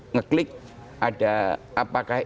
ngeklik ada apakah